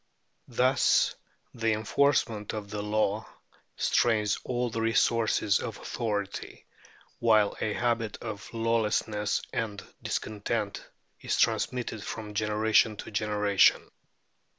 Thus the enforcement of the law strains all the resources of authority, while a habit of lawlessness and discontent is transmitted from generation to generation.